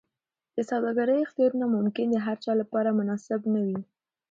د سوداګرۍ اختیارونه ممکن د هرچا لپاره مناسب نه وي.